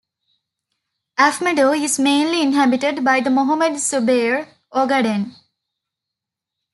Afmadow is mainly inhabited by the Mohamed Zubeyr, Ogaden.